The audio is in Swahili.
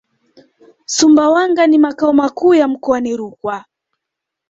Sumbawanga ni makao makuu ya mkoani Rukwa